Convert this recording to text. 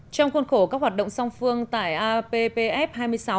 trong khuôn khổ các hoạt động song phương tại appf hai mươi sáu